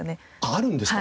あるんですか？